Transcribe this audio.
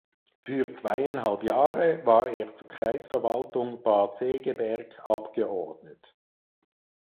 Für zweieinhalb Jahre war er zur Kreisverwaltung Bad Segeberg abgeordnet.